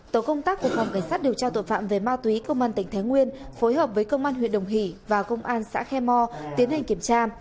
tổ công tác của phòng cảnh sát điều tra tội phạm về ma túy công an tỉnh thái nguyên phối hợp với công an huyện đồng hỷ và công an xã khe mò tiến hành kiểm tra